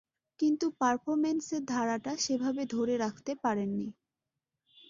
কিন্তু পারফরম্যান্সের ধারাটা সেভাবে ধরে রাখতে পারেননি।